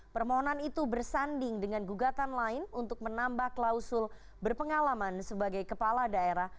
permohonan itu bersanding dengan gugatan lain untuk menambah klausul berpengalaman sebagai kepala daerah